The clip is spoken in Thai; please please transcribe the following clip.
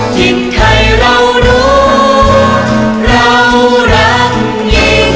ยิ่งใครเรารู้เรารักยิ่ง